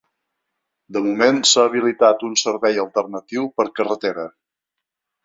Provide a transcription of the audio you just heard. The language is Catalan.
De moment s’ha habilitat un servei alternatiu per carretera.